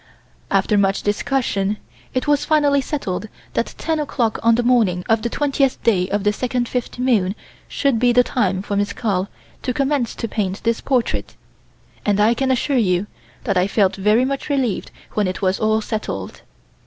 After much discussion it was finally settled that 10 o'clock on the morning of the twentieth day of the second fifth moon should be the time for Miss Carl to commence to paint this portrait, and I can assure you that I felt very much relieved when it was all settled.